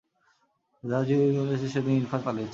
জাজি যেদিন এসেছে সেদিন ইরফান পালিয়েছে।